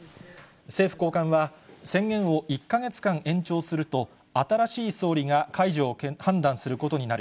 政府高官は、宣言を１か月間延長すると、新しい総理が解除を判断することになる。